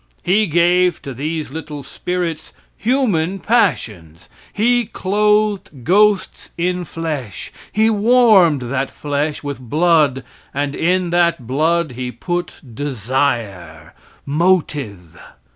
He gave to these little spirits human passions; he clothed ghosts in flesh; he warmed that flesh with blood, and in that blood he put desire motive.